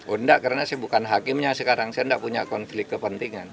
oh enggak karena saya bukan hakimnya sekarang saya tidak punya konflik kepentingan